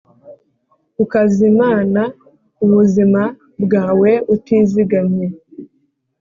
Ukazimana ubuzima bwawe utizigamye